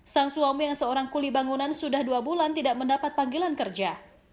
sang suami yang seorang kuli bangunan sudah dua bulan tidak mendapat panggilan kerja